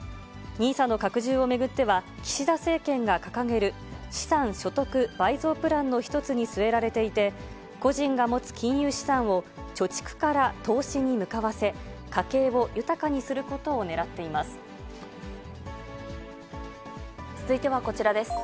ＮＩＳＡの拡充を巡っては、岸田政権が掲げる、資産・所得倍増プランの一つに据えられていて、個人が持つ金融資産を貯蓄から投資に向かわせ、家計を豊かにすることをねらって続いてはこちらです。